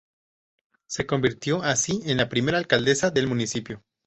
Se convirtió así en la primera alcaldesa del municipio.